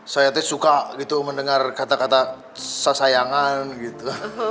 saya tuh suka gitu mendengar kata kata sasayangan gitu